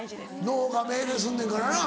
脳が命令すんねんからな